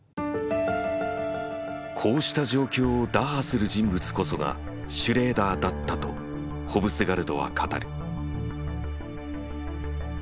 こうした状況を打破する人物こそがシュレーダーだったとホヴスガルドは語る。